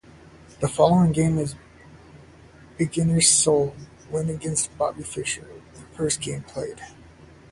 The following game is Bisguier's sole win against Bobby Fischer, their first game played.